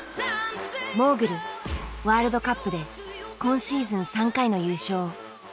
モーグルワールドカップで今シーズン３回の優勝。